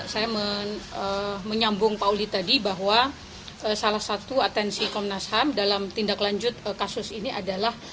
saya menyambung pakuli tadi bahwa salah satu atensi komnas ham dalam tindak lanjut kasus ini adalah